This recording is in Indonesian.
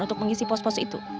untuk mengisi pos pos itu